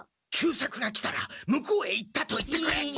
久作が来たら「向こうへ行った」と言ってくれ。